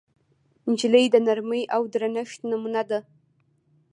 نجلۍ د نرمۍ او درنښت نمونه ده.